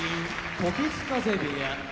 時津風部屋